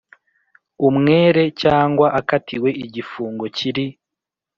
Umwere cyangwa akatiwe igifungo kiri